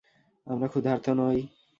আমরা ক্ষুধার্ত নই।